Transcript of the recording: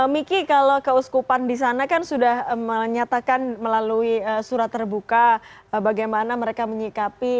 miki kalau keuskupan di sana kan sudah menyatakan melalui surat terbuka bagaimana mereka menyikapi